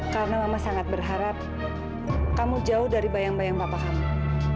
karena mama sangat berharap kamu jauh dari bayang bayang papa kamu